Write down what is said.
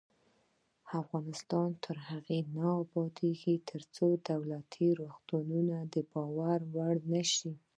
افغانستان تر هغو نه ابادیږي، ترڅو دولتي روغتونونه د باور وړ نشي.